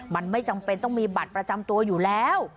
มันไม่จำเป็นต้องมีบัตรประจำตัวอยู่แล้ว